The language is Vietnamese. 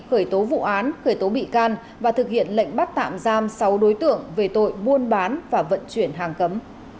khởi tố vụ án khởi tố bị can và thực hiện lệnh bắt tạm giam sáu đối tượng về tội buôn bán và vận chuyển hàng cấm